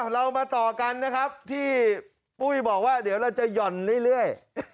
เรามาต่อกันนะครับที่ปุ้ยบอกว่าเดี๋ยวเราจะหย่อนเรื่อย